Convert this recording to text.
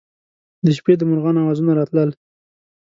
د شپې د مرغانو اوازونه راتلل.